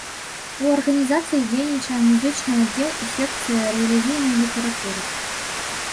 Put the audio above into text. У арганізацыі дзейнічае музычны аддзел і секцыя рэлігійнай літаратуры.